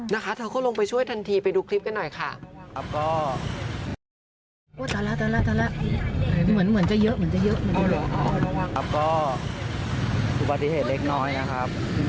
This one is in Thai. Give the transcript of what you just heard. นะคะเธอก็ลงไปช่วยทันทีไปดูคลิปกันหน่อยค่ะ